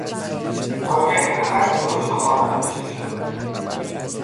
آگهی به خط درشت و خوانا نوشته شده بود.